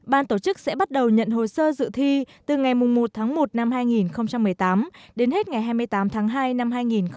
ban tổ chức sẽ bắt đầu nhận hồ sơ dự thi từ ngày một tháng một năm hai nghìn một mươi tám đến hết ngày hai mươi tám tháng hai năm hai nghìn một mươi chín